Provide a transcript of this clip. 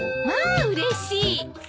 まあうれしい。